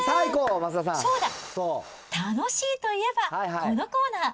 そうだ、楽しいといえばこのコーナー。